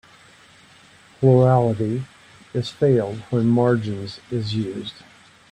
Plurality is failed when "margins" is used.